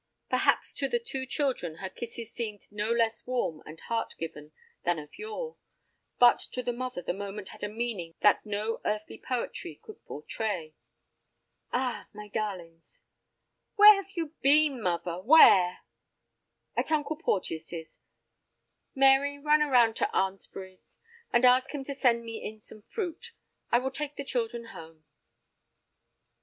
Perhaps to the two children her kisses seemed no less warm and heart given than of yore, but to the mother the moment had a meaning that no earthly poetry could portray. "Ah—my darlings—" "Where have you been, muvver—where?" "At Uncle Porteus's. Mary, run around to Arnsbury's and ask him to send me in some fruit. I will take the children home."